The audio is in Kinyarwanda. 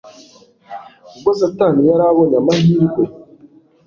Ubwo Satani yari abonye amahirwe.